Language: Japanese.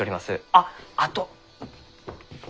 あっあと。